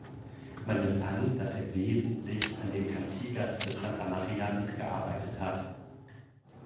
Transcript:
Man nimmt an, dass er wesentlich an den Cantigas de Santa Maria mitgearbeitet hat.